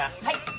はい。